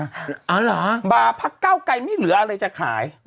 เอาเหรอบาร์พักเก้าไกรไม่เหลืออะไรจะขาย